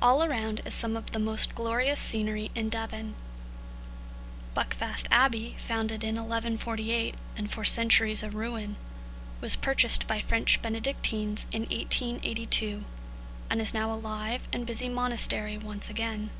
All around is some of the most glorious scenery in Devon. Buckfast Abbey, founded in 1148 and for centuries a ruin, was purchased by French Benedictines in 1882, and is now a live and busy monastery once again.